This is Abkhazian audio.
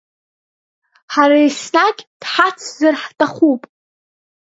Ҳара еснагь дҳацзар ҳҭахуп…